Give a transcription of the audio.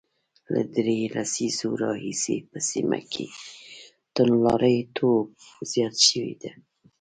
له درېو لسیزو راهیسې په سیمه کې توندلاریتوب زیات شوی دی